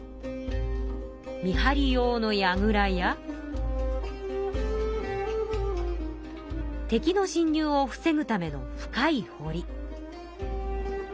見張り用のやぐらや敵のしん入を防ぐための深いほり。